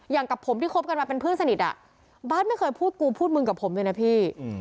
อย่างกับผมที่คบกันมาเป็นเพื่อนสนิทบาทไม่เคยพูดกูพูดมึงกับผมเลยนะพี่